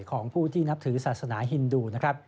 ของผู้ที่นับถือศาสนาฮินดูนะครับ